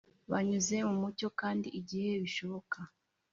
Bunyuze mu mucyo kandi igihe bishoboka